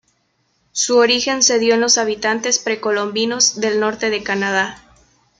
Su origen se dio en los habitantes precolombinos del norte de Canadá.